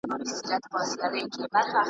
علامه حبیبي دا خطرونه